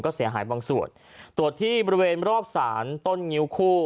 ก็เสียหายบางส่วนตรวจที่บริเวณรอบศาลต้นงิ้วคู่